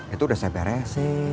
itu udah saya beres sih